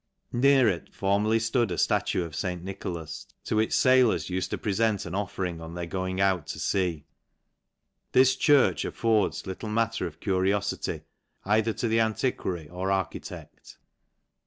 Near it formerly flood a fhtu of St. Nicholas , to which failors ukd to prefer, t a offering on their going out to fea. This churc affords little matter of curiofity either to the ami quary or architect.